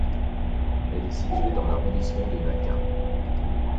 Elle est située dans l'arrondissement de Naka.